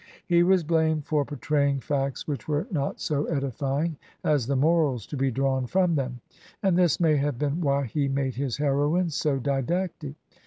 • He was blamed for portraying facts which were not so edifying as the morals to be drawn from them ; and this may have been why he made his heroines so didactic.